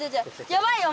やばいよ